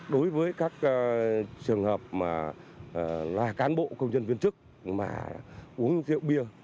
đối với các trường hợp là cán bộ công nhân viên chức mà uống rượu bia